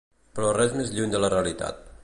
Però res més lluny de la realitat.